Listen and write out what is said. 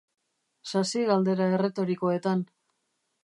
Sasi-galdera erretorikoetan.